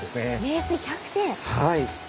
はい。